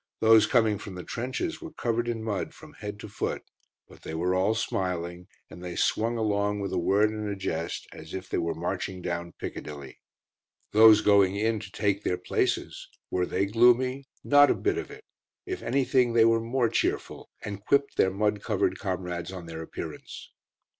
Those coming from the trenches were covered in mud from head to foot, but they were all smiling, and they swung along with a word and a jest as if they were marching down Piccadilly. Those going in to take their places: were they gloomy? Not a bit of it! If anything they were more cheerful, and quipped their mud covered comrades on their appearance.